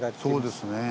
そうですね。